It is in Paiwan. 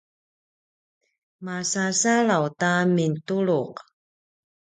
masasalaw ta mintuluq